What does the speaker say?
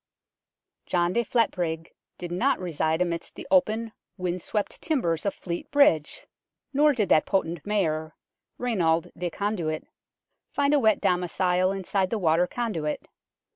John de Fletbrigge did not reside amidst the open, wind swept timbers of Fleet Bridge, nor did that potent Mayor, Raynald de Conduit, find a wet domicile inside the water conduit.